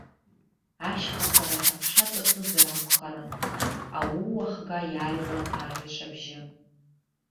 Ашьхақәа рахь аԥша ҵысызар акәхарын, ауу ахга иааҩуан арҩаш абжьы.